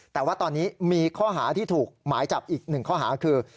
แต่ว่าตอนนี้มีข้อหาที่ถูกหมายจับอีกหนึ่งข้อหาคือ